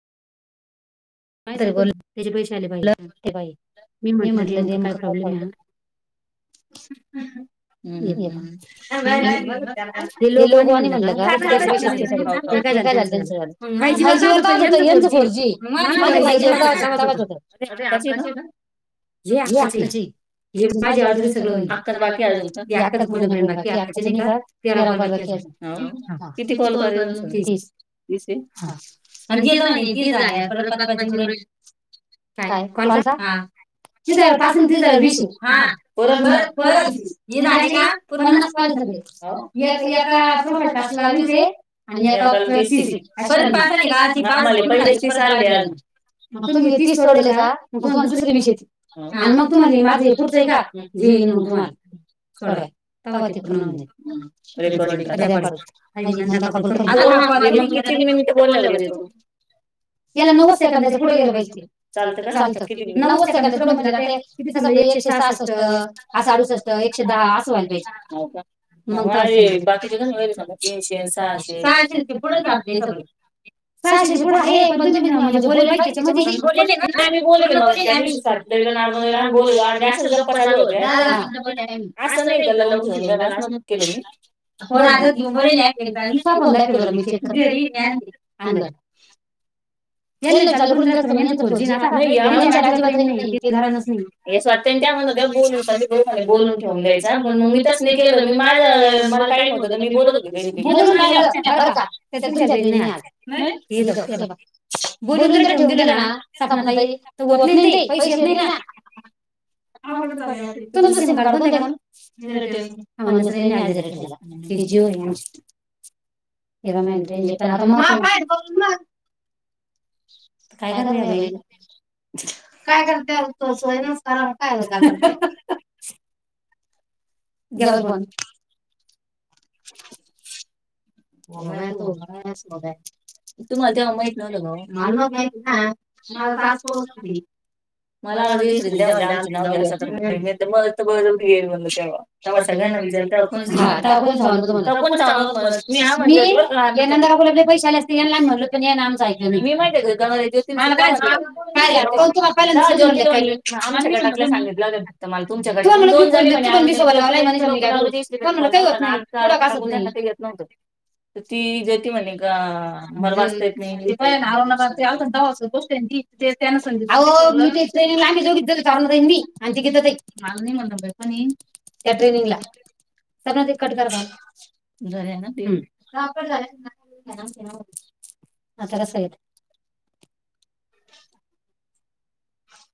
काय सांगू कोणतं त्याचे पैसे आले बाई मी म्हटलं नेमकं काय प्रॉब्लेम हे हा [inaudible] [unintelligible] हे लोगवाणी म्हटलं का [unintelligible] हे काय झालं त्यांनच वालं फायजी वर का होतंय यांच फोर जी हे माझं फायजी वर कव्हा होत तव्हा च होतं तठे आक्का शे ना जे आक्का चे हे माझे ऑलरेडी सगळ हो आक्का च बाकी अजुन ते आक्काचं फोन अ फ्रेंड बाकी आक्काची नही का तेरा कॉल बाकी अजुन हाओ हां किती कॉल करे तुमचं तीस तीस हे हां हे दोन हे तीस झाले परत पाच पाच येऊ राहिले काय कोणसा आं तीस झाल्यावर पास अन् तीस झाल्यावर वीस हे हां परत ना [unintelligible] हे झाले का पूर्ण पन्नास कॉल हे सगळे एक एका प्रोफाइल टास्क ला वीस हे अन् एकाला तीस हे परत पाच झाले का नआतमाले पहिले च तीस आले अजुन म तुम्ही हे तीस तीस सोडवले का मग तुम्हाला दुसरे वीस येतील अन् मंग तुम्हाला हे माझे हे पुढचं हे का जे ईन मंग तुम्हाला सोडवाय तवा ते पूर्ण होऊन जाईन रेकॉर्डिंग रेकॉर्डिंग नंदा का कोण करेन ना आओ आपण [unintelligible] तीन मिनिटं बोलल्यावर येतो याला नऊ सेकंदाच्या पुढे गेले पाहिजे चालतं का चालतं किती नऊच सेकंद पुढ म्हणजे जाते किती समझा एकशे सासष्ट असं अडुसष्ट एकशे दहा असं व्हायला पाहिजे हा का म का बाकीच्या का सग तीनशे सहाशे सहाे पुढले सगळ सहाशे पुढ आहे पण तुम्ही म्हणजे बोलायला पाहिजे त्याच्यामध्ये प बोल नमम बोल अशाच गप्पा चालू होते असं नाही ग लावून ठेवून जा म केलं मी पण आता दा अ अ ह्याना चालू करून रहायते अजिबात रेंज नाही त्या स्वामी आणि बोलू बरं बोलून ठेवून द्यायचा पण मग मी तच नाही केलं मी माझं मला काही नवतं तर मी बोलत होत बर का ते तुमच्या घरी नाही आ हे द बघ. बोलून जर ठेवून दिलं ना स्पनातई तर होत नाही ते पैसे येत नाही ना. तुमचं सीम कार्ड कोणत र एअरटेलच. जू ए म ना आता मु. काय करावया बाईला. काय करते असतच नाहीनरा काय झा. जवल बोल. होग त हो हो. तुम्हाला तेव्हा माहित नव्हतं का हो. मला आ दिसरीत द्या म्हणे आमच नाव घ्या स मगघ बळजबरीने म्हण तेव्हा त्या म सगळ्यांना विचारले तेव्हा कोणीच हाव नव्हती म्हणतहो मी का आपले पैसे आले असतेई म्हणल पण ना आमचं ऐकलं मी माहितीय ग त तुम्हाला आमच्या गटातला सांगितलं. तर मला तुमच्याकडे दोन जणी. [unintelligible] ती ग का ते नाणा संतोष्ट आहे की त्यांना स मी ट्रेनिंगला जाऊ करई मी आणि तिकिथ मला नाही म्हण आणि. त्या टेनिंग ला सगळ कट कर बा. आता कसेत